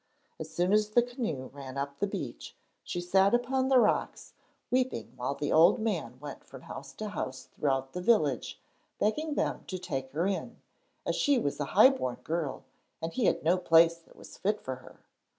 As soon as the canoe ran upon the beach she sat upon the rocks weeping while the old man went from house to house throughout the village, begging them to take her in, as she was a high born girl and he had no place that was fit for her.